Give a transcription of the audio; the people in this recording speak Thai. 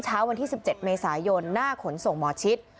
เช้าวันที่๑๗เมษายนหน้าขนส่งหมอชิด